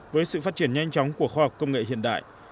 với sự phát triển nhanh chóng của khoa học công nghệ hiện đại